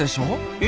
え？